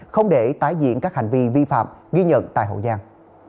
không để tái diễn các hành vi vi phạm ghi nhận tại hậu giang